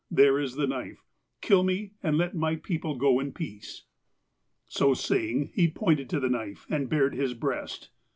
There is the knife. Kill me, and let my people go in peace." So saying, he pointed to the knife, and bared his breast.